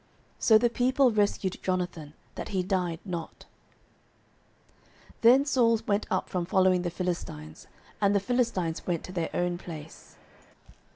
So the people rescued Jonathan, that he died not. 09:014:046 Then Saul went up from following the Philistines: and the Philistines went to their own place.